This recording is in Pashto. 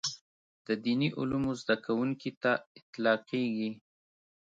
د دیني علومو زده کوونکي ته اطلاقېږي.